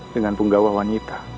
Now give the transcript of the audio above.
dengan penggawa wanita